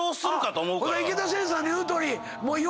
池田先生の言うとおり言わない。